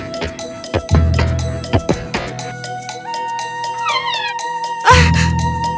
aku sudah tersisa